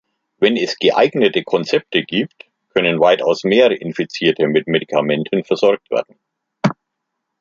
Wenn es geeignete Konzepte gibt, können weitaus mehr Infizierte mit Medikamenten versorgt werden.